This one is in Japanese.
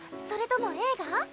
それとも映画？